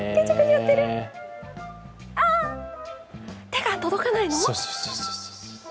手が届かないの？